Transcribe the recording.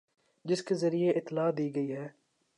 جس کے ذریعے اطلاع دی گئی ہے